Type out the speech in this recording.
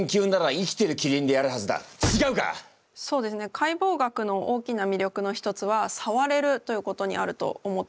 解剖学の大きな魅力の一つはさわれるということにあると思っています。